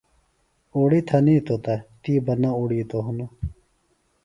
اُڑیۡ تھنیتوۡ تہ، تی بہ نہ اُڑیتوۡ ہِنوۡ